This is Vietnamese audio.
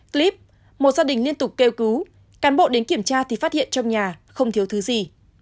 clip một gia đình liên tục kêu cứu cán bộ đến kiểm tra thì phát hiện trong nhà không thiếu thứ gì